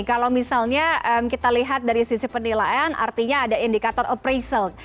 kalau misalnya kita lihat dari sisi penilaian artinya ada indikator appraisal